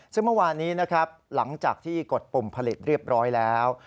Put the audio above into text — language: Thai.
ซึ่งเมื่อวานนี้นะครับหลังจากที่กดปุ่มผลิตเรียบร้อยแล้ว